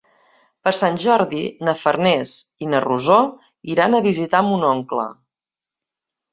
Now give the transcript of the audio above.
Per Sant Jordi na Farners i na Rosó iran a visitar mon oncle.